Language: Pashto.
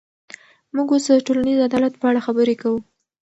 موږ اوس د ټولنیز عدالت په اړه خبرې کوو.